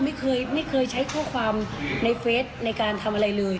ไม่เคยไม่เคยใช้ข้อความในเฟสในการทำอะไรเลย